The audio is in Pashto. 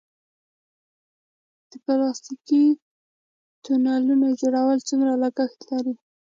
د پلاستیکي تونلونو جوړول څومره لګښت لري؟